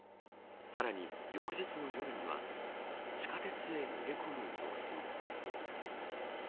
さらに翌日の夜には地下鉄へ逃げ込む様子も。